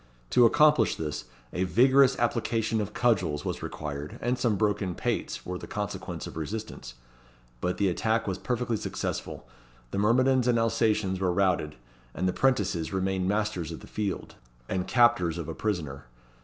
To accomplish this, a vigorous application of cudgels was required, and some broken pates were the consequence of resistance; but the attack was perfectly successful; the myrmidons and Alsatians were routed, and the 'prentices remained masters of the field, and captors of a prisoner.